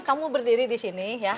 kamu berdiri di sini ya